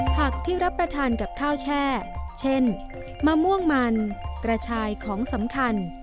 ผักที่รับประทานกับข้าวแช่เช่นมะม่วงมันกระชายของสำคัญ